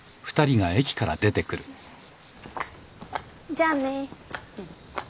じゃあね。